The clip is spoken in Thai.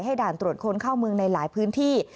ด่านตรวจคนเข้าเมืองในหลายพื้นที่